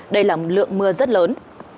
đây là một lượng mưa rất lớn